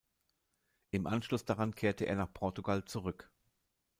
Im Anschluss daran kehrte er nach Portugal zurück.